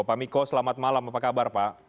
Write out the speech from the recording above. pak miko selamat malam apa kabar pak